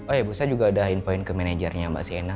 oh ibu saya juga udah infoin ke manajernya mbak sienna